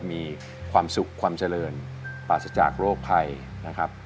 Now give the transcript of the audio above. มีความสุขความเจริญปราศจากโรคภัยนะครับ